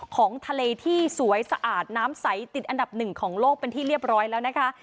ของทะเลที่สวยสะอาดน้ำใสติดอันดับหนึ่งของโลกเป็นที่เรียบร้อยแล้วนะคะ